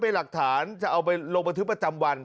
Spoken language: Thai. จะไปหลักฐานจะเอาไปลงพอถือประจำวัน